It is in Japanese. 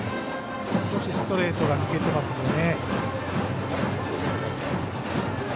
少しストレートが抜けていますので。